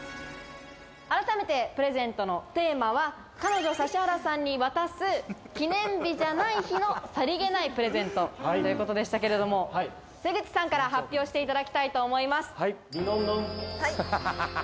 改めてプレゼントのテーマは、彼女・指原さんに渡す記念日じゃない日のさりげないプレゼントということでしたけれども、瀬口さんから発表していただきたいと思います。